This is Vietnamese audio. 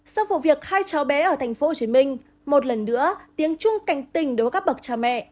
sau vụ việc hai cháu bé ở tp hcm một lần nữa tiếng chung cảnh tình đối với các bậc cha mẹ